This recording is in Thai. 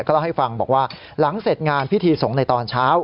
เล่าให้ฟังบอกว่าหลังเสร็จงานพิธีสงฆ์ในตอนเช้า